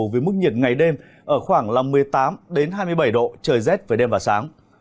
với mức nhiệt ngày đêm ở khoảng một mươi tám hai mươi bảy độ trời rét về đêm và sáng